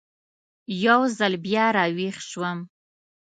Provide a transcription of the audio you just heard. یو ځل بیا را ویښ شوم.